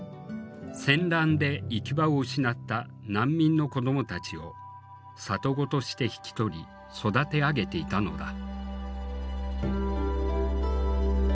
戦乱で行き場を失った難民の子どもたちを里子として引き取り育て上げていたのだ。